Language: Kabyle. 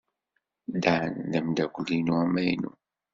Dan d ameddakel-inu amaynu.